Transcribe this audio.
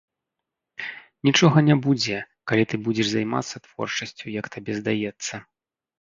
Нічога не будзе, калі ты будзеш займацца творчасцю, як табе здаецца.